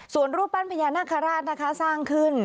ส่วนรูปปั้นพญานาคาราชนะคะสร้างขึ้น